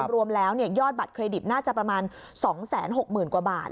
รวมแล้วยอดบัตรเครดิตน่าจะประมาณ๒๖๐๐๐กว่าบาท